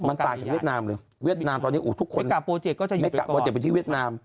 มันต่างจากเวียดนามเลยเวียดนามตอนนี้ทุกคนไม่กะโปรเจกต์ที่เวียดนาม